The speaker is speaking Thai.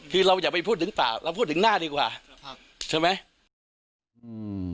คือเราอย่าไปพูดถึงปากเราพูดถึงหน้าดีกว่าใช่ไหมอืม